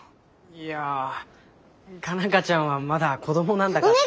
いや佳奈花ちゃんはまだ子どもなんだから。